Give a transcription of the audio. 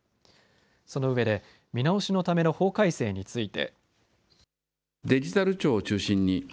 そのうえで見直しのための法改正について。